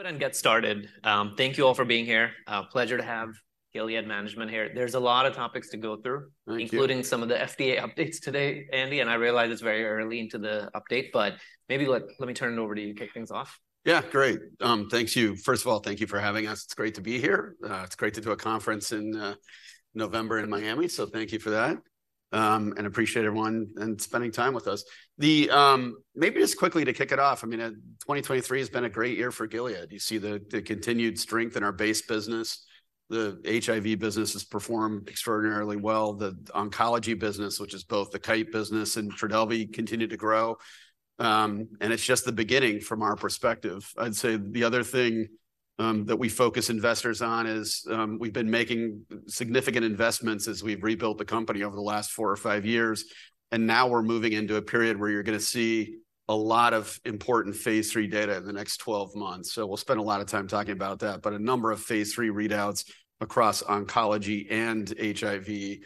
Go ahead and get started. Thank you all for being here. A pleasure to have Gilead management here. There's a lot of topics to go through- Thank you. - including some of the FDA updates today, Andy, and I realize it's very early into the update, but maybe let me turn it over to you to kick things off. Yeah, great. Thank you. First of all, thank you for having us. It's great to be here. It's great to do a conference in November in Miami, so thank you for that, and appreciate everyone and spending time with us. Maybe just quickly to kick it off, I mean, 2023 has been a great year for Gilead. You see the continued strength in our base business. The HIV business has performed extraordinarily well. The oncology business, which is both the Kite business and TRODELVY, continue to grow, and it's just the beginning from our perspective. I'd say the other thing, that we focus investors on is, we've been making significant investments as we've rebuilt the company over the last four or five years, and now we're moving into a period where you're going to see a lot of important Phase III data in the next 12 months. So we'll spend a lot of time talking about that, but a number of Phase III readouts across oncology and HIV,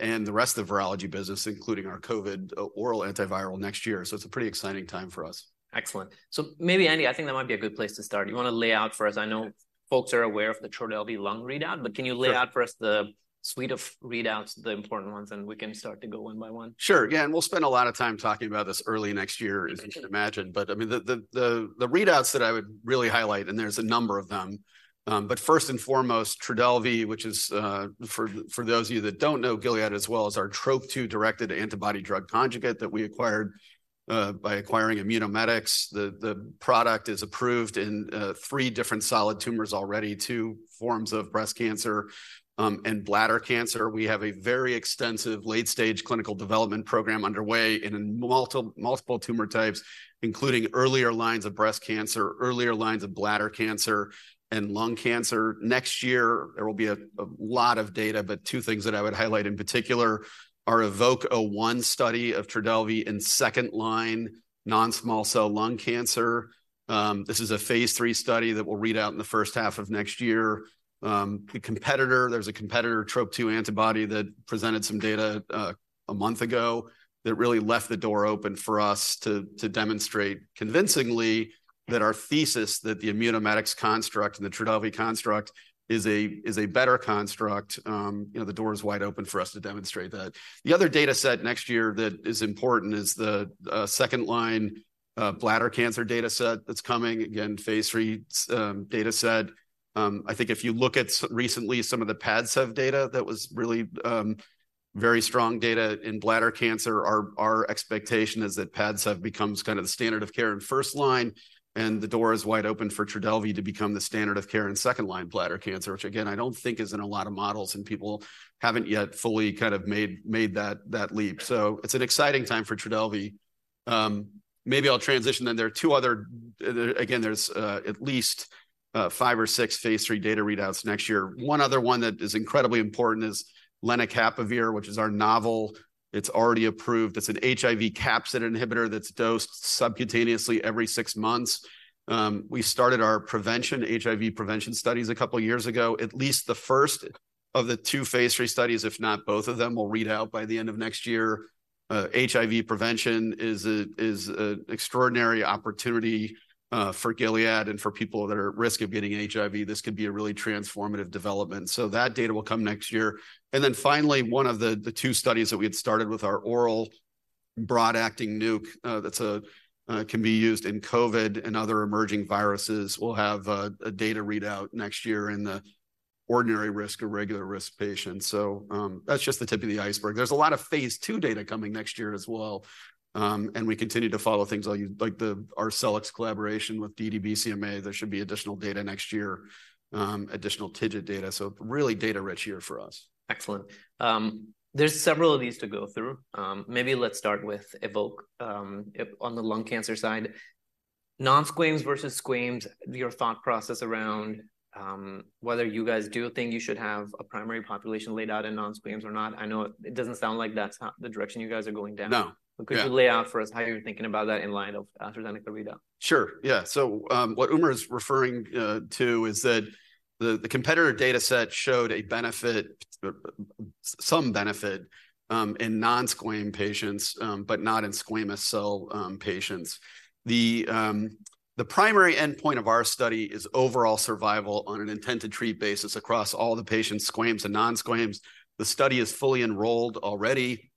and the rest of the virology business, including our COVID oral antiviral, next year. So it's a pretty exciting time for us. Excellent. So maybe, Andy, I think that might be a good place to start. You want to lay out for us... I know folks are aware of the TRODELVY lung readout, but can you lay out- Sure For us, the suite of readouts, the important ones, and we can start to go one by one? Sure. Yeah, and we'll spend a lot of time talking about this early next year- Mm-hmm As you can imagine. But I mean, the readouts that I would really highlight, and there's a number of them, but first and foremost, TRODELVY, which is, for those of you that don't know Gilead as well, is our Trop-2-directed antibody drug conjugate that we acquired by acquiring Immunomedics. The product is approved in three different solid tumors already, two forms of breast cancer, and bladder cancer. We have a very extensive late-stage clinical development program underway in multiple tumor types, including earlier lines of breast cancer, earlier lines of bladder cancer, and lung cancer. Next year, there will be a lot of data, but two things that I would highlight in particular are EVOKE-01 study of TRODELVY in second-line non-small cell lung cancer. This is a Phase III study that will read out in the first half of next year. The competitor, there's a competitor Trop-2 antibody that presented some data a month ago that really left the door open for us to demonstrate convincingly that our thesis that the Immunomedics construct and the TRODELVY construct is a better construct. You know, the door is wide open for us to demonstrate that. The other data set next year that is important is the second-line bladder cancer data set that's coming. Again, Phase III data set. I think if you look at recently, some of the PADCEV data, that was really very strong data in bladder cancer. Our expectation is that PADCEV becomes kind of the standard of care in first line, and the door is wide open for TRODELVY to become the standard of care in second-line bladder cancer, which, again, I don't think is in a lot of models, and people haven't yet fully kind of made that leap. So it's an exciting time for TRODELVY. Maybe I'll transition then. There are two other... There, again, there's at least five or six Phase III data readouts next year. One other one that is incredibly important is lenacapavir, which is our novel. It's already approved. It's an HIV capsid inhibitor that's dosed subcutaneously every six months. We started our prevention, HIV prevention studies a couple of years ago. At least the first of the two Phase III studies, if not both of them, will read out by the end of next year. HIV prevention is an extraordinary opportunity for Gilead and for people that are at risk of getting HIV. This could be a really transformative development. So that data will come next year. Then finally, one of the two studies that we had started with our oral broad-acting nuke that can be used in COVID and other emerging viruses will have a data readout next year in the ordinary risk or regular risk patients. So that's just the tip of the iceberg. There's a lot of Phase II data coming next year as well, and we continue to follow things like our Arcellx collaboration with ddBCMA. There should be additional data next year, additional tidbit data. So really data-rich year for us. Excellent. There's several of these to go through. Maybe let's start with EVOKE, on the lung cancer side. Non-squamous versus squamous, your thought process around whether you guys do think you should have a primary population laid out in non-squamous or not? I know it doesn't sound like that's not the direction you guys are going down. No. Yeah. Could you lay out for us how you're thinking about that in light of AstraZeneca readout? Sure, yeah. So, what Umer is referring to is that the competitor data set showed a benefit, some benefit, in non-squam patients, but not in squamous cell patients. The primary endpoint of our study is overall survival on an intent-to-treat basis across all the patients, squams and non-squams. The study is fully enrolled already.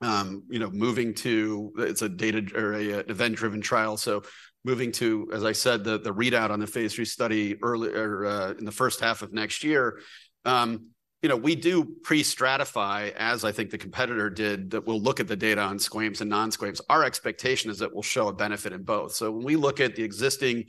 You know, it's a data- or event-driven trial, so moving to, as I said, the readout on the Phase III study early or in the first half of next year. You know, we do pre-stratify, as I think the competitor did, that we'll look at the data on squams and non-squams. Our expectation is that we'll show a benefit in both. So when we look at the existing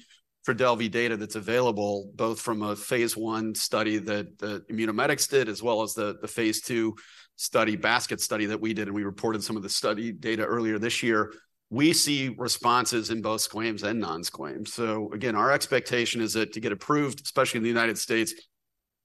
TRODELVY data that's available, both from a Phase I study that Immunomedics did, as well as the Phase II study, basket study that we did, and we reported some of the study data earlier this year, we see responses in both squams and non-squams. So again, our expectation is that to get approved, especially in the United States,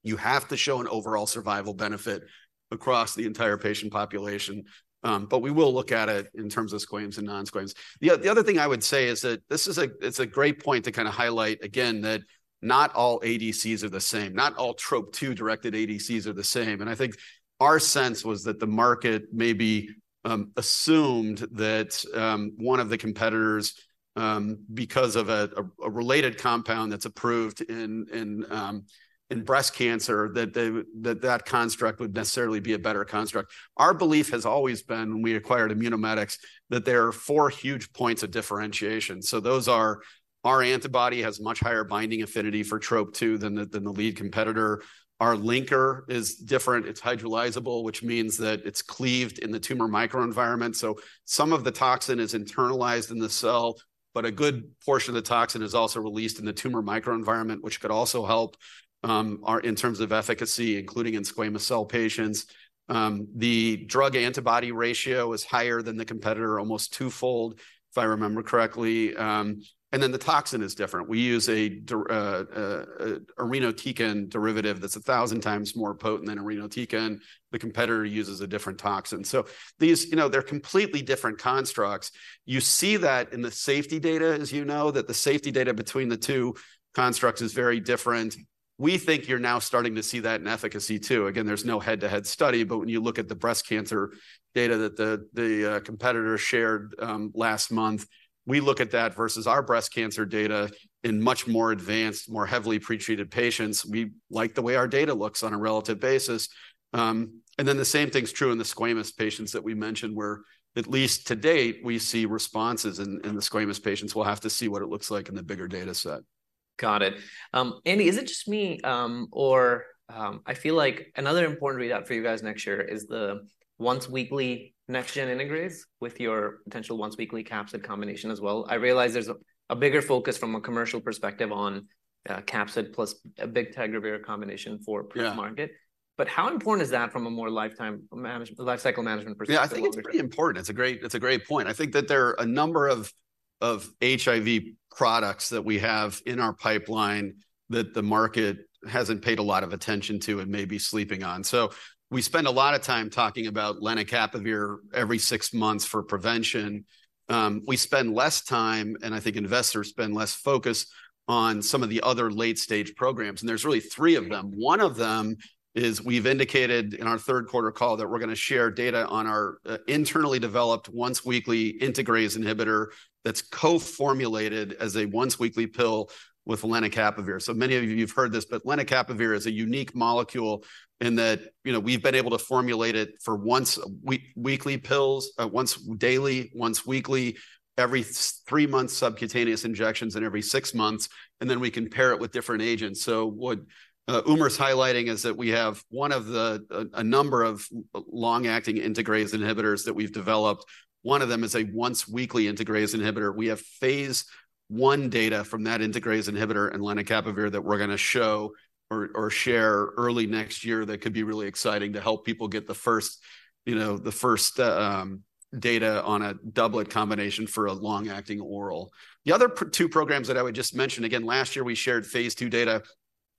you have to show an overall survival benefit across the entire patient population. But we will look at it in terms of squams and non-squams. The other thing I would say is that this is a great point to kind of highlight again, that not all ADCs are the same. Not all Trop-2-directed ADCs are the same, and I think our sense was that the market maybe assumed that one of the competitors, because of a related compound that's approved in breast cancer, that that construct would necessarily be a better construct. Our belief has always been, when we acquired Immunomedics, that there are four huge points of differentiation. So those are: our antibody has much higher binding affinity for Trop-2 than the lead competitor; our linker is different, it's hydrolyzable, which means that it's cleaved in the tumor microenvironment, so some of the toxin is internalized in the cell, but a good portion of the toxin is also released in the tumor microenvironment, which could also help in terms of efficacy, including in squamous cell patients. The drug-antibody ratio is higher than the competitor, almost twofold, if I remember correctly. And then the toxin is different. We use an irinotecan derivative that's 1,000 times more potent than irinotecan. The competitor uses a different toxin. So these, you know, they're completely different constructs. You see that in the safety data, as you know, that the safety data between the two constructs is very different. We think you're now starting to see that in efficacy, too. Again, there's no head-to-head study, but when you look at the breast cancer data that the competitor shared last month, we look at that versus our breast cancer data in much more advanced, more heavily pretreated patients, we like the way our data looks on a relative basis. And then the same thing's true in the squamous patients that we mentioned, where at least to date, we see responses in the squamous patients. We'll have to see what it looks like in the bigger data set. Got it. Andy, is it just me, or I feel like another important read-out for you guys next year is the once-weekly next-gen integrase with your potential once-weekly capsid combination as well? I realize there's a bigger focus from a commercial perspective on capsid plus a bictegravir combination for pre-market. Yeah. But how important is that from a more life cycle management perspective? Yeah, I think it's pretty important. It's a great, it's a great point. I think that there are a number of HIV products that we have in our pipeline that the market hasn't paid a lot of attention to and may be sleeping on. So we spend a lot of time talking about lenacapavir every six months for prevention. We spend less time, and I think investors spend less focus, on some of the other late-stage programs, and there's really three of them. One of them is, we've indicated in our third quarter call, that we're going to share data on our internally developed once-weekly integrase inhibitor that's co-formulated as a once-weekly pill with lenacapavir. So many of you, you've heard this, but lenacapavir is a unique molecule in that, you know, we've been able to formulate it for once-weekly pills, once daily, once weekly, every three months' subcutaneous injections, and every six months, and then we can pair it with different agents. So what Umer's highlighting is that we have one of the a number of long-acting integrase inhibitors that we've developed. One of them is a once-weekly integrase inhibitor. We have Phase I data from that integrase inhibitor and lenacapavir that we're going to show or share early next year that could be really exciting to help people get the first, you know, the first data on a doublet combination for a long-acting oral. The other two programs that I would just mention, again, last year, we shared Phase II data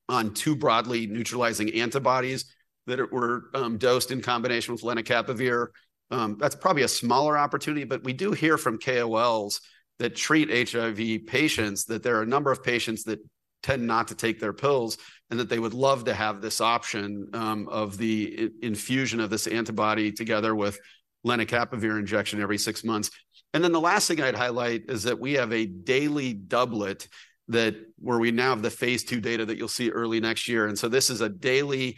on two broadly neutralizing antibodies that were dosed in combination with lenacapavir. That's probably a smaller opportunity, but we do hear from KOLs that treat HIV patients, that there are a number of patients that tend not to take their pills, and that they would love to have this option of the infusion of this antibody together with lenacapavir injection every six months. And then the last thing I'd highlight is that we have a daily doublet that, where we now have the Phase II data that you'll see early next year. And so this is a daily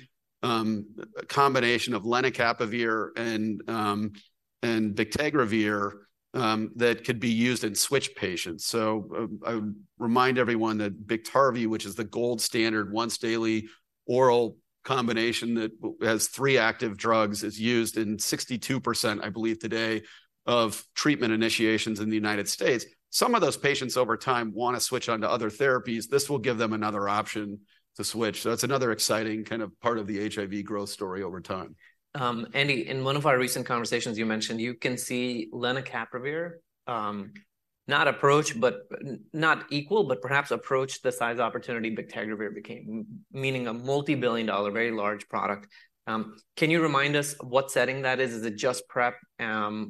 combination of lenacapavir and bictegravir that could be used in switch patients. So, I would remind everyone that BIKTARVY, which is the gold standard once daily oral combination that has three active drugs, is used in 62%, I believe, today, of treatment initiations in the United States. Some of those patients over time want to switch on to other therapies. This will give them another option to switch. So that's another exciting kind of part of the HIV growth story over time. Andy, in one of our recent conversations, you mentioned you can see lenacapavir not approach, but not equal, but perhaps approach the size opportunity bictegravir became, meaning a multi-billion-dollar, very large product. Can you remind us what setting that is? Is it just PrEP,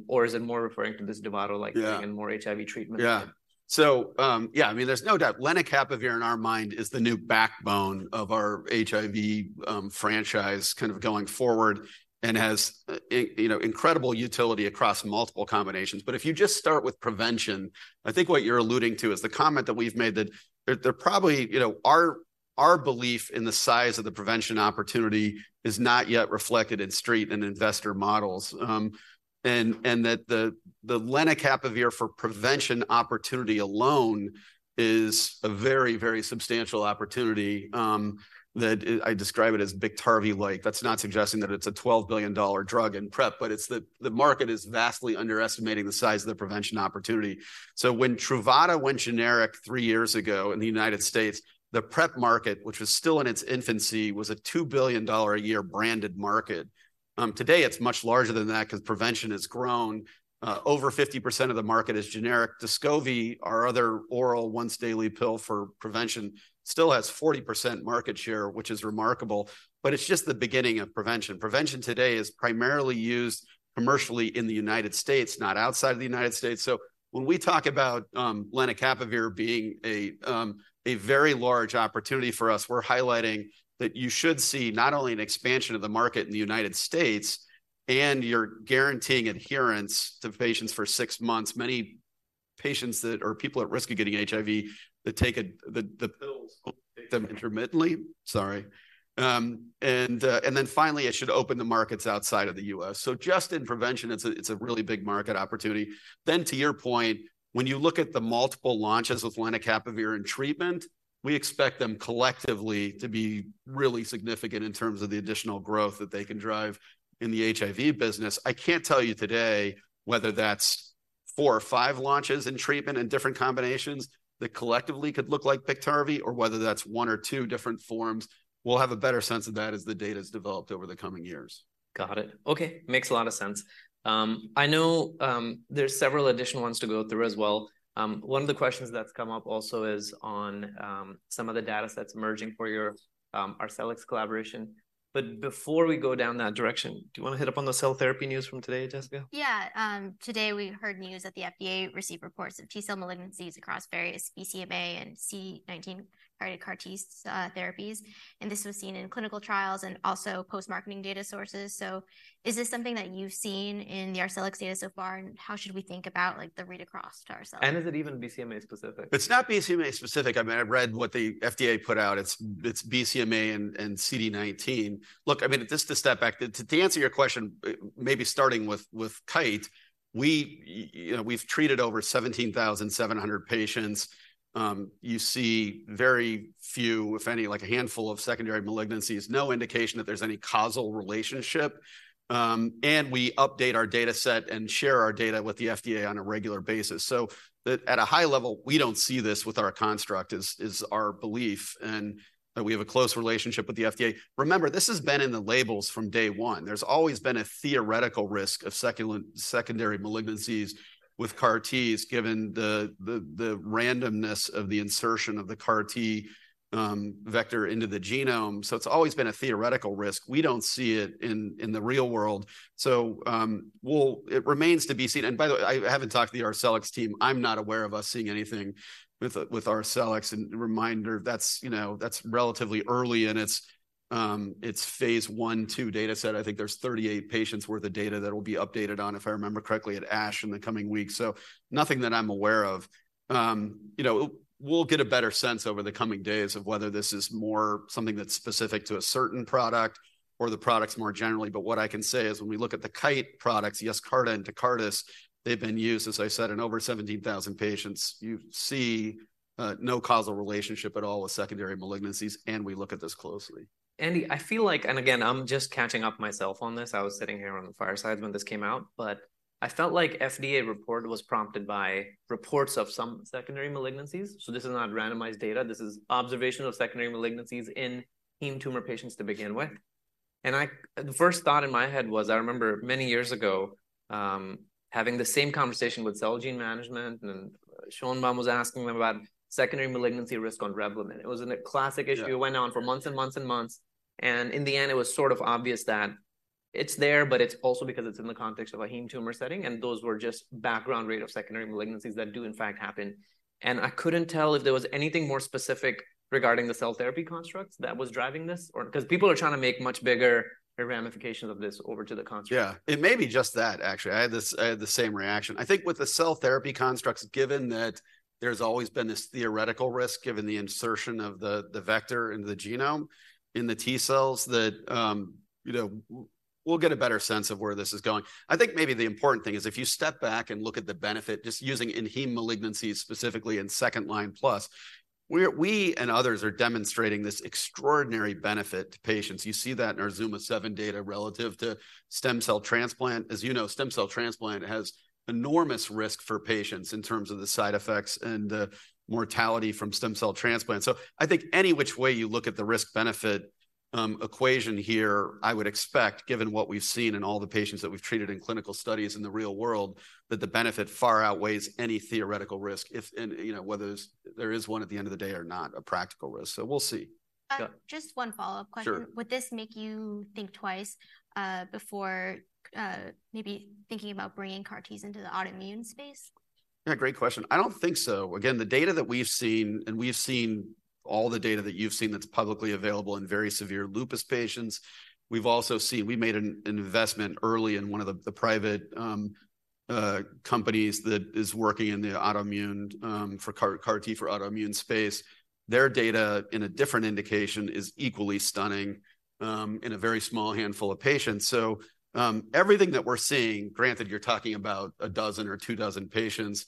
or is it more referring to this Dovato like- Yeah... and more HIV treatment? Yeah. So, yeah, I mean, there's no doubt, lenacapavir, in our mind, is the new backbone of our HIV franchise kind of going forward, and has, you know, incredible utility across multiple combinations. But if you just start with prevention, I think what you're alluding to is the comment that we've made that you know, our belief in the size of the prevention opportunity is not yet reflected in street and investor models. And that the lenacapavir for prevention opportunity alone is a very, very substantial opportunity, that I describe it as BIKTARVY-like. That's not suggesting that it's a $12 billion drug in PrEP, but it's the market is vastly underestimating the size of the prevention opportunity. So when Truvada went generic three years ago in the United States, the PrEP market, which was still in its infancy, was a $2 billion a year branded market. Today, it's much larger than that, because prevention has grown. Over 50% of the market is generic. Descovy, our other oral once daily pill for prevention, still has 40% market share, which is remarkable, but it's just the beginning of prevention. Prevention today is primarily used commercially in the United States, not outside of the United States. So when we talk about lenacapavir being a very large opportunity for us, we're highlighting that you should see not only an expansion of the market in the United States, and you're guaranteeing adherence to patients for six months, many-... Patients that or people at risk of getting HIV that take the pills intermittently. Sorry. And then finally, it should open the markets outside of the U.S. So just in prevention, it's a really big market opportunity. Then, to your point, when you look at the multiple launches with lenacapavir in treatment, we expect them collectively to be really significant in terms of the additional growth that they can drive in the HIV business. I can't tell you today whether that's four or five launches in treatment in different combinations that collectively could look like BIKTARVY, or whether that's one or two different forms. We'll have a better sense of that as the data's developed over the coming years. Got it. Okay, makes a lot of sense. I know, there's several additional ones to go through as well. One of the questions that's come up also is on, some of the data sets emerging for your, Arcellx collaboration. But before we go down that direction, do you want to hit up on the cell therapy news from today, Jessica? Yeah. Today we heard news that the FDA received reports of T-cell malignancies across various BCMA and CD19 CAR-T, CAR-T therapies, and this was seen in clinical trials and also post-marketing data sources. So is this something that you've seen in the Arcellx data so far, and how should we think about, like, the read-across to ourselves? Is it even BCMA-specific? It's not BCMA-specific. I mean, I've read what the FDA put out. It's BCMA and CD19. Look, I mean, just to step back, to answer your question, maybe starting with Kite, you know, we've treated over 17,700 patients. You see very few, if any, like a handful of secondary malignancies, no indication that there's any causal relationship. And we update our data set and share our data with the FDA on a regular basis. So at a high level, we don't see this with our construct, is our belief, and we have a close relationship with the FDA. Remember, this has been in the labels from day one. There's always been a theoretical risk of secondary malignancies with CAR-Ts, given the randomness of the insertion of the CAR-T vector into the genome. So it's always been a theoretical risk. We don't see it in the real world. Well, it remains to be seen, and by the way, I haven't talked to the Arcellx team. I'm not aware of us seeing anything with Arcellx. And reminder, that's, you know, that's relatively early, and it's Phase I/II data set. I think there's 38 patients worth of data that will be updated on, if I remember correctly, at ASH in the coming weeks. So nothing that I'm aware of. You know, we'll get a better sense over the coming days of whether this is more something that's specific to a certain product or the products more generally. But what I can say is, when we look at the Kite products, YESCARTA and TECARTUS, they've been used, as I said, in over 17,000 patients. You see, no causal relationship at all with secondary malignancies, and we look at this closely. Andy, I feel like, and again, I'm just catching up myself on this. I was sitting here on the fireside when this came out, but I felt like FDA report was prompted by reports of some secondary malignancies. So this is not randomized data. This is observation of secondary malignancies in heme tumor patients to begin with. And I... The first thought in my head was, I remember many years ago, having the same conversation with Celgene management, and Schoenebaum was asking them about secondary malignancy risk on REVLIMID. It was a classic issue. Yeah... it went on for months and months and months, and in the end, it was sort of obvious that it's there, but it's also because it's in the context of a heme tumor setting, and those were just background rate of secondary malignancies that do in fact happen. And I couldn't tell if there was anything more specific regarding the cell therapy constructs that was driving this, or because people are trying to make much bigger the ramifications of this over to the constructs. Yeah, it may be just that, actually. I had the same reaction. I think with the cell therapy constructs, given that there's always been this theoretical risk, given the insertion of the vector into the genome, in the T cells, that, you know, we'll get a better sense of where this is going. I think maybe the important thing is if you step back and look at the benefit, just using in heme malignancies, specifically in second-line plus, we and others are demonstrating this extraordinary benefit to patients. You see that in our ZUMA-7 data relative to stem cell transplant. As you know, stem cell transplant has enormous risk for patients in terms of the side effects and mortality from stem cell transplant. So I think any which way you look at the risk-benefit equation here, I would expect, given what we've seen in all the patients that we've treated in clinical studies in the real world, that the benefit far outweighs any theoretical risk if... and, you know, whether there's, there is one at the end of the day or not, a practical risk. So we'll see. Yeah. Just one follow-up question. Sure. Would this make you think twice before maybe thinking about bringing CAR-Ts into the autoimmune space? Yeah, great question. I don't think so. Again, the data that we've seen, and we've seen all the data that you've seen that's publicly available in very severe lupus patients. We've also seen... We made an investment early in one of the private companies that is working in the autoimmune for CAR-T for autoimmune space. Their data, in a different indication, is equally stunning in a very small handful of patients. So, everything that we're seeing, granted you're talking about a dozen or two dozen patients,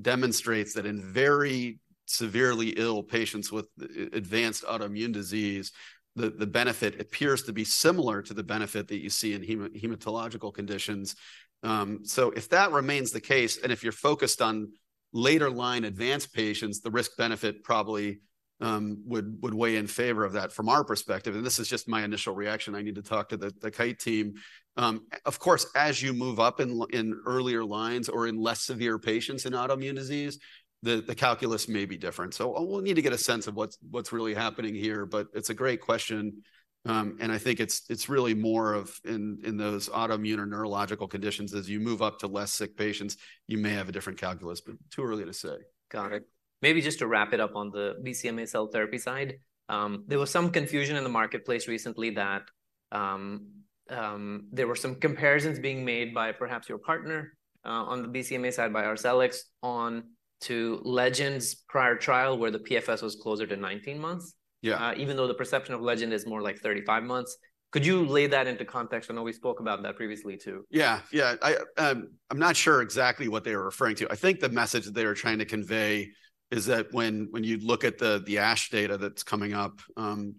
demonstrates that in very severely ill patients with advanced autoimmune disease, the benefit appears to be similar to the benefit that you see in hematological conditions. So if that remains the case, and if you're focused on later-line advanced patients, the risk-benefit probably would weigh in favor of that from our perspective, and this is just my initial reaction. I need to talk to the Kite team. Of course, as you move up in earlier lines or in less severe patients in autoimmune disease, the calculus may be different. So we'll need to get a sense of what's really happening here, but it's a great question, and I think it's really more of in those autoimmune or neurological conditions, as you move up to less sick patients, you may have a different calculus, but too early to say. Got it. Maybe just to wrap it up on the BCMA cell therapy side, there was some confusion in the marketplace recently that there were some comparisons being made by perhaps your partner, on the BCMA side, by Arcellx, on to Legend's prior trial, where the PFS was closer to 19 months. Yeah. Even though the perception of Legend is more like 35 months. Could you lay that into context? I know we spoke about that previously, too. Yeah, yeah. I, I'm not sure exactly what they were referring to. I think the message they were trying to convey is that when, when you look at the, the ASH data that's coming up,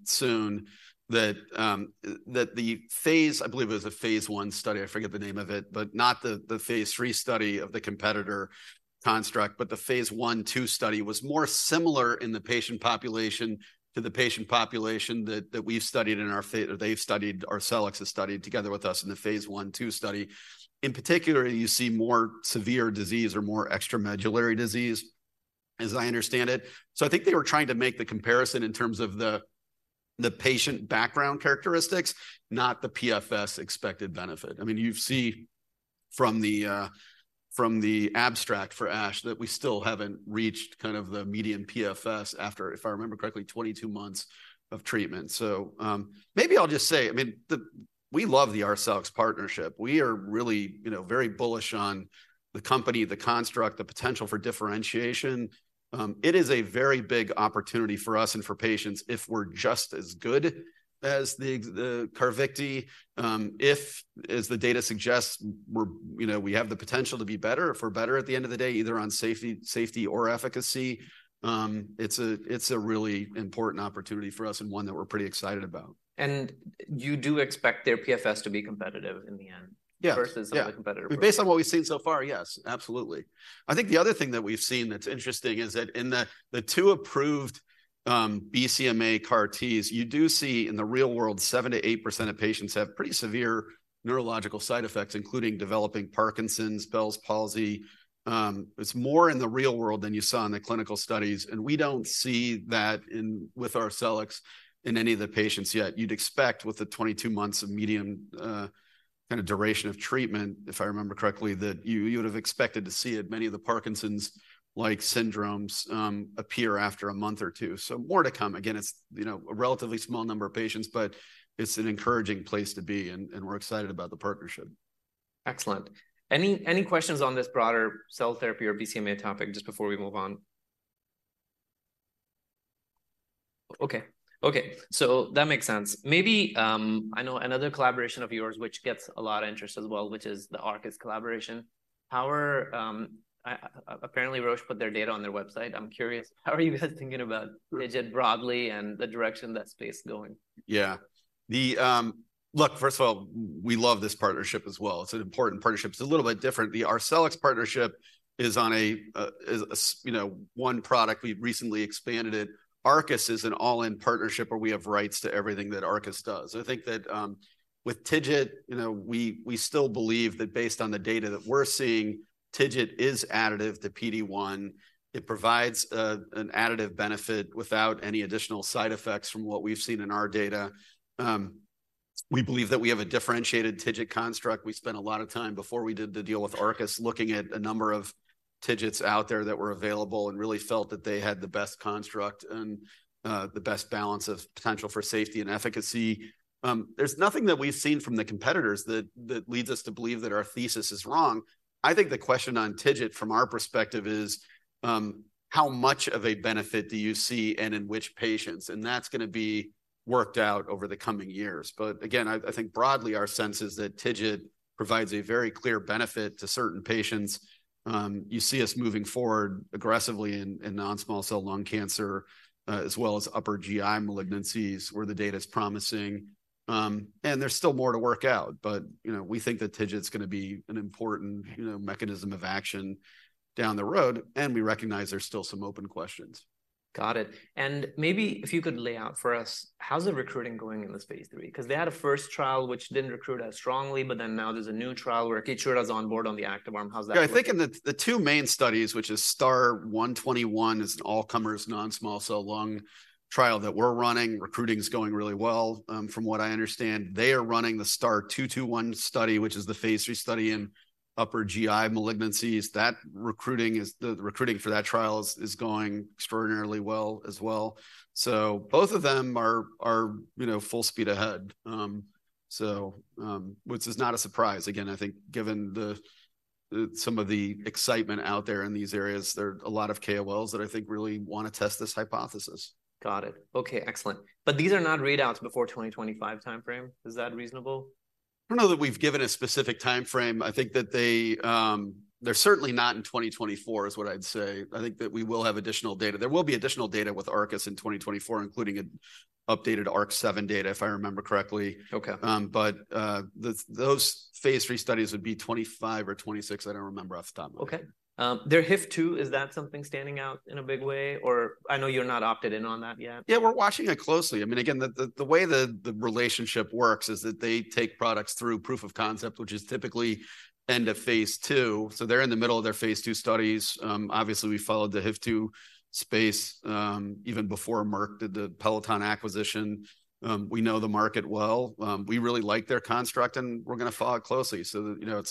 soon, that, that the phase, I believe it was a Phase I study, I forget the name of it, but not the, the Phase III study of the competitor construct, but the Phase I/II study was more similar in the patient population to the patient population that, that we've studied in our fa-- they've studied, Arcellx has studied together with us in the Phase I/II study. In particular, you see more severe disease or more extramedullary disease, as I understand it. So I think they were trying to make the comparison in terms of the, the patient background characteristics, not the PFS expected benefit. I mean, you see from the abstract for ASH that we still haven't reached kind of the median PFS after, if I remember correctly, 22 months of treatment. So, maybe I'll just say, I mean, we love the Arcellx partnership. We are really, you know, very bullish on the company, the construct, the potential for differentiation. It is a very big opportunity for us and for patients if we're just as good as the CARVYKTI. If, as the data suggests, we're, you know, we have the potential to be better. If we're better at the end of the day, either on safety, safety or efficacy, it's a, it's a really important opportunity for us and one that we're pretty excited about. You do expect their PFS to be competitive in the end- Yeah, yeah. -versus the competitor? Based on what we've seen so far, yes, absolutely. I think the other thing that we've seen that's interesting is that in the, the two approved BCMA CAR-Ts, you do see in the real world, 7%-8% of patients have pretty severe neurological side effects, including developing Parkinson's, Bell's palsy. It's more in the real world than you saw in the clinical studies, and we don't see that in-- with Arcellx in any of the patients yet. You'd expect with the 22 months of median, kind of duration of treatment, if I remember correctly, that you, you would have expected to see it. Many of the Parkinson's-like syndromes appear after a month or two. So more to come. Again, it's, you know, a relatively small number of patients, but it's an encouraging place to be, and, and we're excited about the partnership. Excellent. Any questions on this broader cell therapy or BCMA topic just before we move on? Okay. Okay, so that makes sense. Maybe, I know another collaboration of yours, which gets a lot of interest as well, which is the Arcus collaboration. How are... Apparently, Roche put their data on their website. I'm curious, how are you guys thinking about TIGIT broadly and the direction that space is going? Yeah. Look, first of all, we love this partnership as well. It's an important partnership. It's a little bit different. The Arcellx partnership is, you know, on one product. We've recently expanded it. Arcus is an all-in partnership where we have rights to everything that Arcus does. I think that with TIGIT, you know, we still believe that based on the data that we're seeing, TIGIT is additive to PD-1. It provides an additive benefit without any additional side effects from what we've seen in our data. We believe that we have a differentiated TIGIT construct. We spent a lot of time before we did the deal with Arcus, looking at a number of TIGITs out there that were available and really felt that they had the best construct and the best balance of potential for safety and efficacy. There's nothing that we've seen from the competitors that leads us to believe that our thesis is wrong. I think the question on TIGIT, from our perspective, is how much of a benefit do you see and in which patients? And that's gonna be worked out over the coming years. But again, I think broadly, our sense is that TIGIT provides a very clear benefit to certain patients. You see us moving forward aggressively in non-small cell lung cancer, as well as upper GI malignancies, where the data is promising. And there's still more to work out, but you know, we think that TIGIT's gonna be an important mechanism of action down the road, and we recognize there's still some open questions. Got it. And maybe if you could lay out for us, how's the recruiting going in this Phase III? 'Cause they had a first trial, which didn't recruit as strongly, but then now there's a new trial where KEYTRUDA is on board on the active arm. How's that going? Yeah, I think in the two main studies, which is STAR-121, is an all-comers, non-small cell lung trial that we're running. Recruiting is going really well, from what I understand. They are running the STAR-221 study, which is the Phase III study in upper GI malignancies. That recruiting is the recruiting for that trial is going extraordinarily well as well. So both of them are, you know, full speed ahead. Which is not a surprise, again, I think, given the some of the excitement out there in these areas, there are a lot of KOLs that I think really want to test this hypothesis. Got it. Okay, excellent. But these are not readouts before 2025 timeframe? Is that reasonable? I don't know that we've given a specific timeframe. I think that they, they're certainly not in 2024, is what I'd say. I think that we will have additional data. There will be additional data with Arcus in 2024, including an updated ARC-7 data, if I remember correctly. Okay. But those Phase III studies would be 25 or 26. I don't remember off the top of my head. Okay. Their HIF-2, is that something standing out in a big way, or... I know you're not opted in on that yet. Yeah, we're watching it closely. I mean, again, the way the relationship works is that they take products through proof of concept, which is typically end of Phase II. So they're in the middle of their Phase II studies. Obviously, we followed the HIF-2 space, even before Merck did the Peloton acquisition. We know the market well. We really like their construct, and we're gonna follow it closely. So, you know,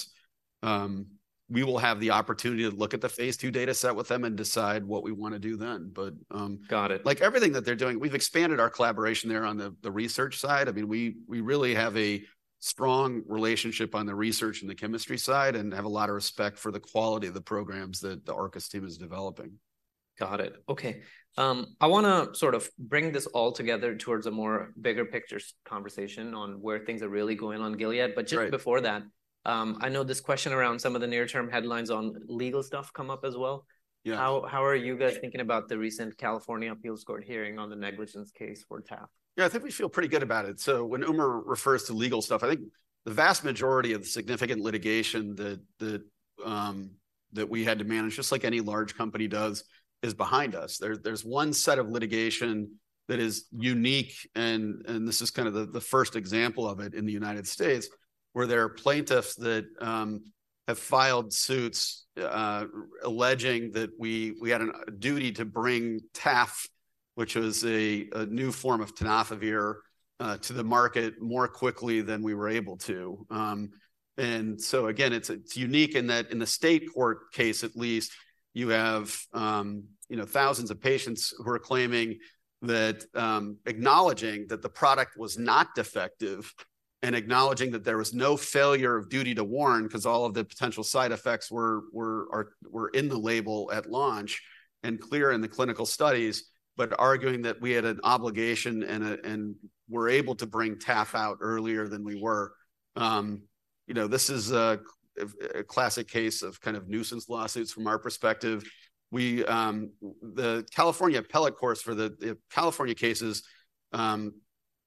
we will have the opportunity to look at the Phase II data set with them and decide what we wanna do then. But- Got it. Like everything that they're doing, we've expanded our collaboration there on the research side. I mean, we really have a strong relationship on the research and the chemistry side, and have a lot of respect for the quality of the programs that the Arcus team is developing. Got it. Okay. I wanna sort of bring this all together towards a more bigger picture conversation on where things are really going on Gilead. Right. But just before that, I know this question around some of the near-term headlines on legal stuff come up as well. Yeah. How are you guys thinking about the recent California appeals court hearing on the negligence case for TAF? Yeah, I think we feel pretty good about it. So when Umer refers to legal stuff, I think the vast majority of the significant litigation that we had to manage, just like any large company does, is behind us. There's one set of litigation that is unique, and this is kind of the first example of it in the United States, where there are plaintiffs that have filed suits alleging that we had a duty to bring TAF, which was a new form of tenofovir, to the market more quickly than we were able to. And so again, it's unique in that in the state court case, at least, you have, you know, thousands of patients who are claiming that... Acknowledging that the product was not defective, and acknowledging that there was no failure of duty to warn, 'cause all of the potential side effects were in the label at launch, and clear in the clinical studies, but arguing that we had an obligation and were able to bring TAF out earlier than we were. You know, this is a classic case of kind of nuisance lawsuits from our perspective. We... The California appellate courts for the California cases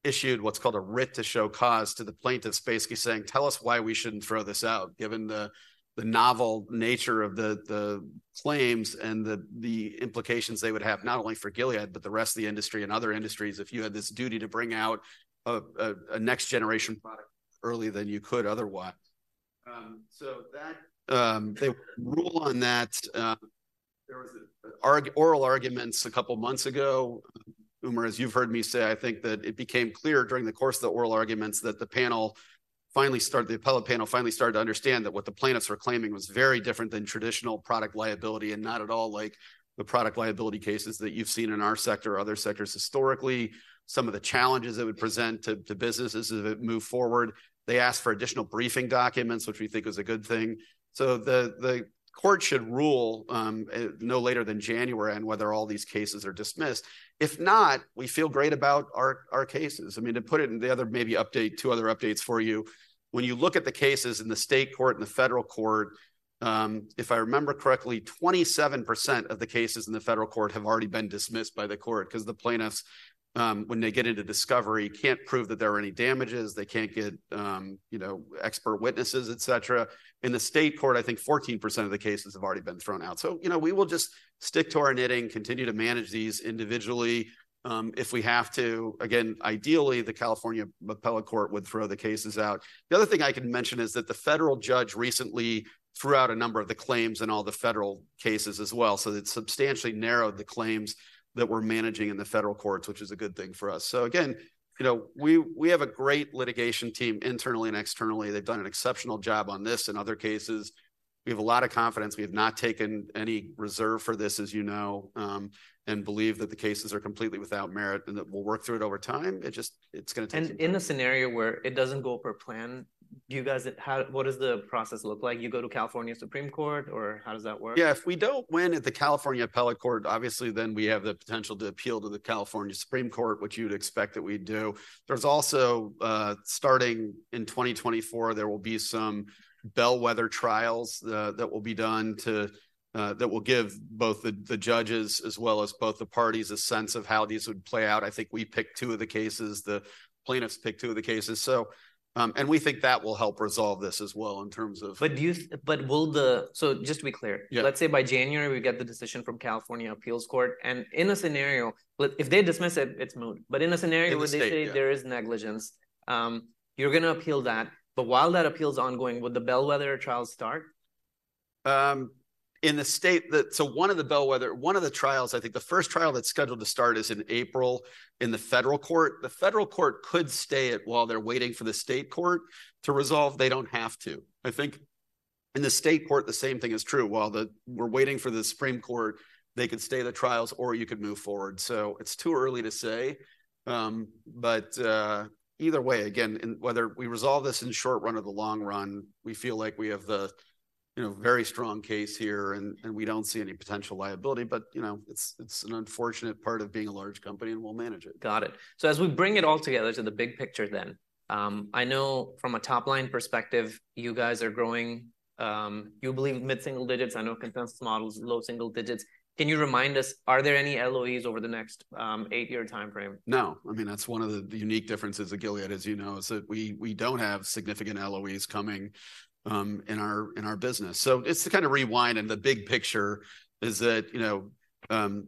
issued what's called a writ to show cause to the plaintiffs, basically saying: "Tell us why we shouldn't throw this out," given the novel nature of the claims and the implications they would have, not only for Gilead, but the rest of the industry and other industries, if you had this duty to bring out a next-generation product earlier than you could otherwise. So that, the rule on that, there was oral arguments a couple months ago. Umer, as you've heard me say, I think that it became clear during the course of the oral arguments that the appellate panel finally started to understand that what the plaintiffs were claiming was very different than traditional product liability, and not at all like the product liability cases that you've seen in our sector or other sectors historically. Some of the challenges it would present to businesses as it moved forward, they asked for additional briefing documents, which we think is a good thing. So the court should rule no later than January on whether all these cases are dismissed. If not, we feel great about our cases. I mean, to put it in the other, maybe update, two other updates for you, when you look at the cases in the state court and the federal court, if I remember correctly, 27% of the cases in the federal court have already been dismissed by the court because the plaintiffs, when they get into discovery, can't prove that there are any damages. They can't get, you know, expert witnesses, et cetera. In the state court, I think 14% of the cases have already been thrown out. So, you know, we will just stick to our knitting, continue to manage these individually, if we have to. Again, ideally, the California appellate court would throw the cases out. The other thing I can mention is that the federal judge recently threw out a number of the claims in all the federal cases as well, so it substantially narrowed the claims that we're managing in the federal courts, which is a good thing for us. So again, you know, we, we have a great litigation team internally and externally. They've done an exceptional job on this and other cases. We have a lot of confidence. We have not taken any reserve for this, as you know, and believe that the cases are completely without merit, and that we'll work through it over time. It just, it's gonna take- In a scenario where it doesn't go per plan, do you guys, how, what does the process look like? You go to California Supreme Court, or how does that work? Yeah, if we don't win at the California appellate court, obviously, then we have the potential to appeal to the California Supreme Court, which you'd expect that we'd do. There's also, starting in 2024, there will be some bellwether trials that will be done to that will give both the judges, as well as both the parties, a sense of how these would play out. I think we picked two of the cases, the plaintiffs picked two of the cases. So, and we think that will help resolve this as well in terms of- So just to be clear. Yeah. Let's say by January, we get the decision from California appeals court, and in a scenario, but if they dismiss it, it's moot. But in a scenario- In the state, yeah.... where they say there is negligence, you're gonna appeal that. But while that appeal is ongoing, would the bellwether trials start? In the state, so one of the bellwether, one of the trials, I think the first trial that's scheduled to start is in April in the federal court. The federal court could stay it while they're waiting for the state court to resolve. They don't have to. I think in the state court, the same thing is true. While we're waiting for the Supreme Court, they could stay the trials, or you could move forward. So it's too early to say. But, either way, again, in whether we resolve this in the short run or the long run, we feel like we have the, you know, very strong case here, and, and we don't see any potential liability. But, you know, it's, it's an unfortunate part of being a large company, and we'll manage it. Got it. So as we bring it all together to the big picture then, I know from a top-line perspective, you guys are growing, you believe mid-single digits. I know consensus model is low double digits. Can you remind us, are there any LOEs over the next eight-year timeframe? No. I mean, that's one of the unique differences of Gilead, as you know, is that we don't have significant LOEs coming in our business. So just to kind of rewind, and the big picture is that, you know,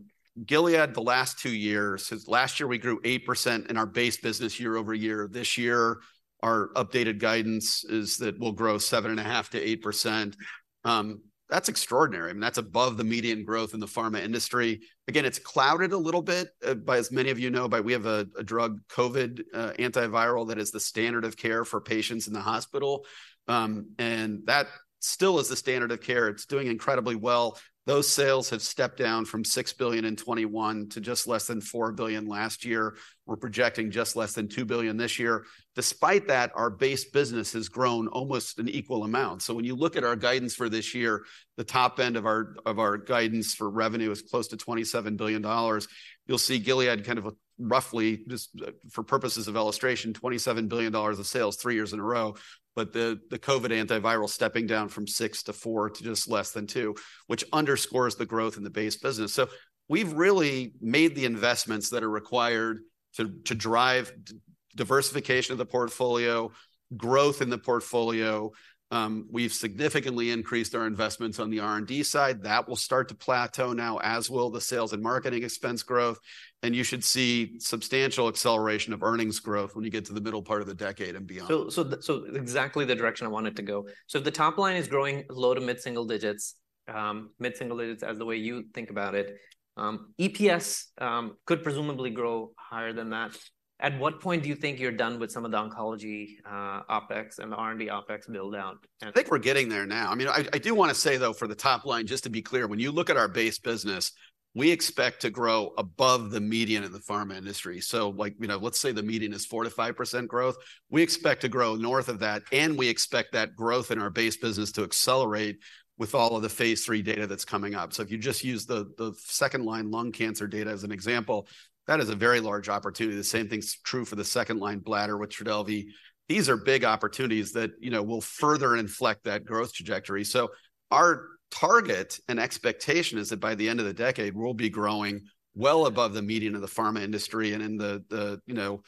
Gilead, the last two years, since last year, we grew 8% in our base business year over year. This year, our updated guidance is that we'll grow 7.5%-8%. That's extraordinary. I mean, that's above the median growth in the pharma industry. Again, it's clouded a little bit by, as many of you know, by we have a drug, COVID antiviral, that is the standard of care for patients in the hospital. And that still is the standard of care. It's doing incredibly well. Those sales have stepped down from $6 billion in 2021 to just less than $4 billion last year. We're projecting just less than $2 billion this year. Despite that, our base business has grown almost an equal amount. So when you look at our guidance for this year, the top end of our, of our guidance for revenue is close to $27 billion. You'll see Gilead kind of roughly, just, for purposes of illustration, $27 billion of sales three years in a row, but the, the COVID antiviral stepping down from $6 billion to $4 billion to just less than $2 billion, which underscores the growth in the base business. So we've really made the investments that are required to, to drive diversification of the portfolio, growth in the portfolio. We've significantly increased our investments on the R&D side. That will start to plateau now, as will the sales and marketing expense growth, and you should see substantial acceleration of earnings growth when you get to the middle part of the decade and beyond. Exactly the direction I want it to go. So if the top line is growing low- to mid-single digits, mid-single digits as the way you think about it, EPS could presumably grow higher than that. At what point do you think you're done with some of the oncology, OpEx and the R&D OpEx build-out? I think we're getting there now. I mean, I, I do want to say, though, for the top line, just to be clear, when you look at our base business, we expect to grow above the median in the pharma industry. So like, you know, let's say the median is 4%-5% growth, we expect to grow north of that, and we expect that growth in our base business to accelerate with all of the Phase III data that's coming up. So if you just use the second-line lung cancer data as an example, that is a very large opportunity. The same thing's true for the second-line bladder with TRODELVY. These are big opportunities that, you know, will further inflect that growth trajectory. So our target and expectation is that by the end of the decade, we'll be growing well above the median of the pharma industry and in the you know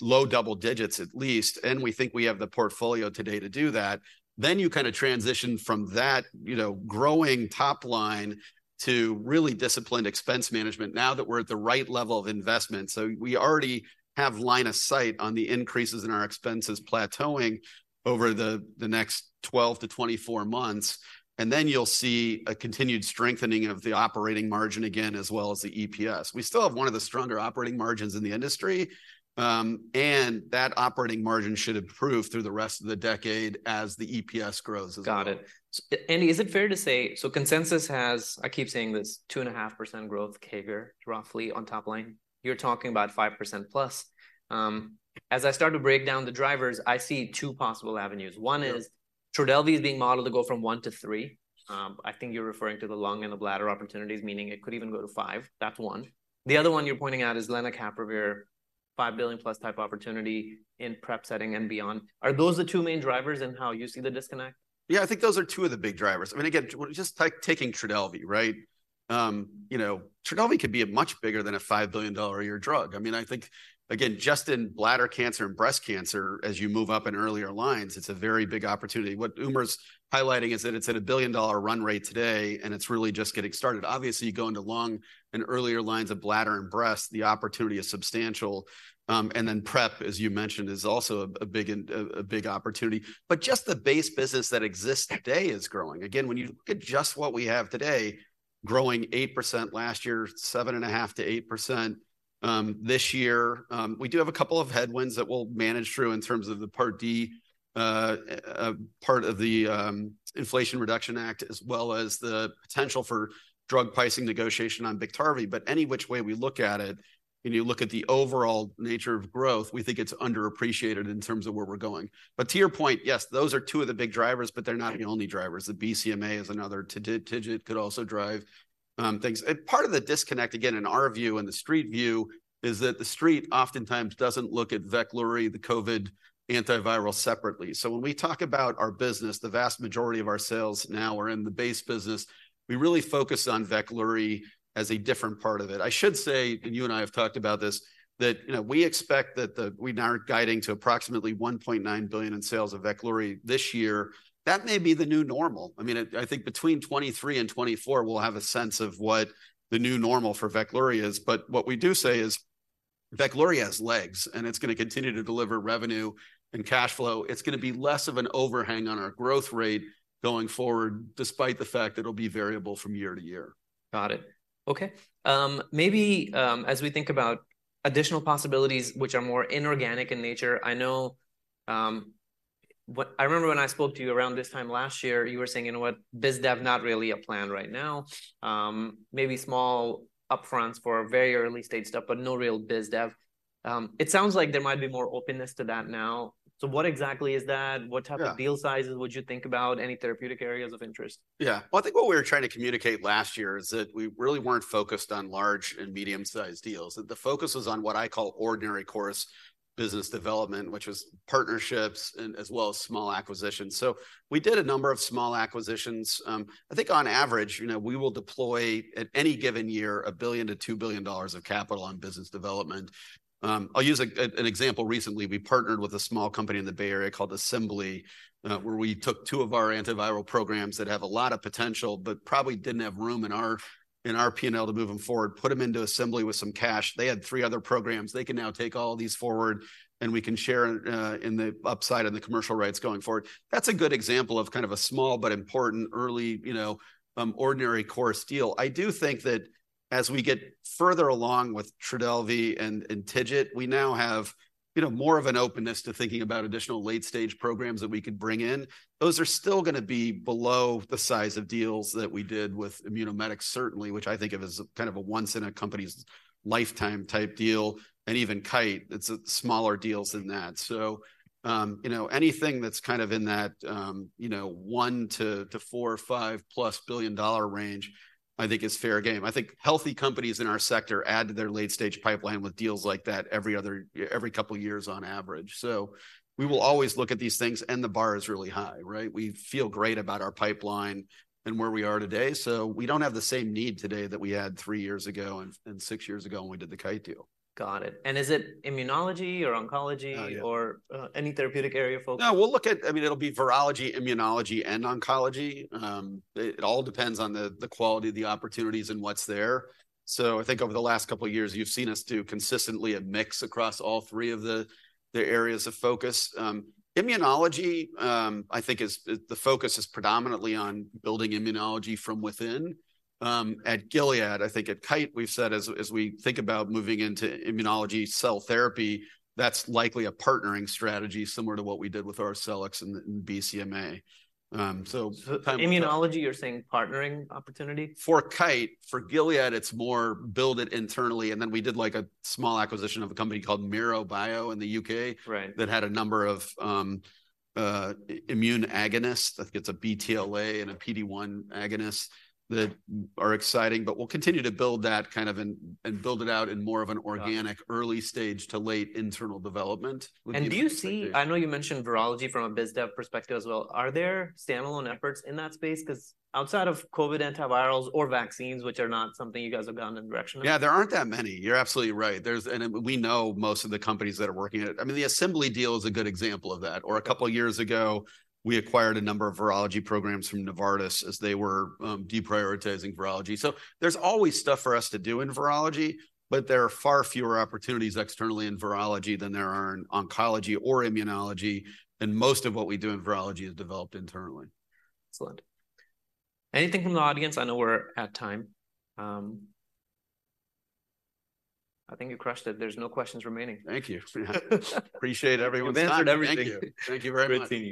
low double digits at least, and we think we have the portfolio today to do that. Then you kind of transition from that, you know, growing top line to really disciplined expense management now that we're at the right level of investment. So we already have line of sight on the increases in our expenses plateauing over the next 12-24 months, and then you'll see a continued strengthening of the operating margin again, as well as the EPS. We still have one of the stronger operating margins in the industry, and that operating margin should improve through the rest of the decade as the EPS grows as well. Got it. And is it fair to say... So consensus has, I keep saying this, 2.5% growth CAGR, roughly, on top line. You're talking about 5%+. As I start to break down the drivers, I see two possible avenues. Yeah. One is TRODELVY is being modeled to go from $1 billion-$3 billion. I think you're referring to the lung and the bladder opportunities, meaning it could even go to $5 billion. That's one. The other one you're pointing out is lenacapavir, $5 billion+ type opportunity in PrEP setting and beyond. Are those the two main drivers in how you see the disconnect? Yeah, I think those are two of the big drivers. I mean, again, just taking TRODELVY, right? You know, TRODELVY could be much bigger than a $5 billion a year drug. I mean, I think, again, just in bladder cancer and breast cancer, as you move up in earlier lines, it's a very big opportunity. What Umer's highlighting is that it's at a billion-dollar run rate today, and it's really just getting started. Obviously, you go into lung and earlier lines of bladder and breast, the opportunity is substantial. And then PrEP, as you mentioned, is also a big opportunity. But just the base business that exists today is growing. Again, when you look at just what we have today, growing 8% last year, 7.5%-8% this year. We do have a couple of headwinds that we'll manage through in terms of the Part D part of the Inflation Reduction Act, as well as the potential for drug pricing negotiation on BIKTARVY. But any which way we look at it, when you look at the overall nature of growth, we think it's underappreciated in terms of where we're going. But to your point, yes, those are two of the big drivers, but they're not the only drivers. The BCMA is another. TIGIT could also drive things. And part of the disconnect, again, in our view, and the Street view, is that the Street oftentimes doesn't look at VEKLURY, the COVID antiviral, separately. So when we talk about our business, the vast majority of our sales now are in the base business. We really focus on VEKLURY as a different part of it. I should say, and you and I have talked about this, that, you know, we expect that we are now guiding to approximately $1.9 billion in sales of VEKLURY this year. That may be the new normal. I mean, I think between 2023 and 2024, we'll have a sense of what the new normal for VEKLURY is. But what we do say is, VEKLURY has legs, and it's gonna continue to deliver revenue and cash flow. It's gonna be less of an overhang on our growth rate going forward, despite the fact that it'll be variable from year to year. Got it. Okay, maybe, as we think about additional possibilities which are more inorganic in nature, I know what I remember when I spoke to you around this time last year, you were saying, "You know what? Biz dev, not really a plan right now. Maybe small upfronts for very early-stage stuff, but no real biz dev." It sounds like there might be more openness to that now. So what exactly is that? Yeah. What type of deal sizes would you think about? Any therapeutic areas of interest? Yeah. Well, I think what we were trying to communicate last year is that we really weren't focused on large and medium-sized deals, that the focus was on what I call ordinary course business development, which is partnerships and as well as small acquisitions. So we did a number of small acquisitions. I think on average, you know, we will deploy, at any given year, $1 billion-$2 billion of capital on business development. I'll use an example. Recently, we partnered with a small company in the Bay Area called Assembly, where we took two of our antiviral programs that have a lot of potential, but probably didn't have room in our, in our P&L to move them forward, put them into Assembly with some cash. They had three other programs. They can now take all of these forward, and we can share in the upside and the commercial rights going forward. That's a good example of kind of a small but important early, you know, ordinary course deal. I do think that as we get further along with TRODELVY and TIGIT, we now have, you know, more of an openness to thinking about additional late-stage programs that we could bring in. Those are still gonna be below the size of deals that we did with Immunomedics, certainly, which I think of as kind of a once-in-a-company's-lifetime-type deal, and even Kite. It's smaller deals than that. So, you know, anything that's kind of in that, you know, $1 billion-$4 billion or $5+ billion range, I think is fair game. I think healthy companies in our sector add to their late-stage pipeline with deals like that every other year every couple years on average. So we will always look at these things, and the bar is really high, right? We feel great about our pipeline and where we are today, so we don't have the same need today that we had three years ago and six years ago when we did the Kite deal. Got it. And is it immunology or oncology- Oh, yeah... or, any therapeutic area of focus? No, we'll look at... I mean, it'll be virology, immunology, and oncology. It all depends on the quality of the opportunities and what's there. So I think over the last couple years, you've seen us do consistently a mix across all three of the areas of focus. Immunology, I think the focus is predominantly on building immunology from within. At Gilead, I think at Kite, we've said as we think about moving into immunology cell therapy, that's likely a partnering strategy, similar to what we did with Arcellx and BCMA. So time- Immunology, you're saying partnering opportunity? For Kite. For Gilead, it's more build it internally, and then we did, like, a small acquisition of a company called MiroBio in the U.K.- Right... that had a number of immune agonists. That's gets a BTLA and a PD-1 agonist that are exciting, but we'll continue to build that kind of in and build it out in more of an organic- Yeah... early stage to late internal development with immunology. Do you see... I know you mentioned virology from a biz dev perspective as well. Are there standalone efforts in that space? 'Cause outside of COVID antivirals or vaccines, which are not something you guys have gone in the direction of- Yeah, there aren't that many. You're absolutely right. There's... And, we know most of the companies that are working on it. I mean, the Assembly deal is a good example of that, or a couple of years ago, we acquired a number of virology programs from Novartis as they were deprioritizing virology. So there's always stuff for us to do in virology, but there are far fewer opportunities externally in virology than there are in oncology or immunology, and most of what we do in virology is developed internally. Excellent. Anything from the audience? I know we're at time. I think you crushed it. There's no questions remaining. Thank you. Appreciate everyone's time. You've answered everything. Thank you. Thank you very much. Good seeing you.